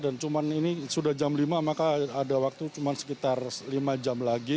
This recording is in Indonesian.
dan cuma ini sudah jam lima maka ada waktu cuma sekitar lima jam lagi